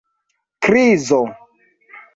krizo